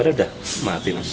dan sudah mati